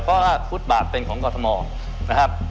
เพราะว่าฟุตบาทเป็นของกรทมนะครับ